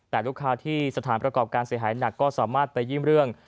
แต่ลูกค้าที่สถานประกอบการเสียหายหนักก็สามารถไปเยี่ยมเรื่อง